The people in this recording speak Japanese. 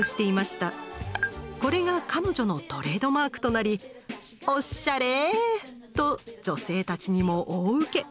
これが彼女のトレードマークとなり「おっしゃれ！」と女性たちにも大受け。